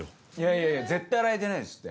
いや絶対洗えてないですって。